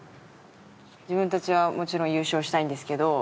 自分たちはもちろん優勝したいんですけど